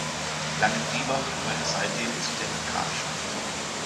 Langendiebach gehörte seitdem zu deren Grafschaft.